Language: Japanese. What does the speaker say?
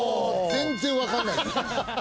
全然わかんない。